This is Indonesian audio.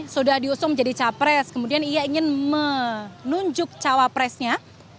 sudah diusung menjadi capres kemudian ia ingin menunjuk cawapresnya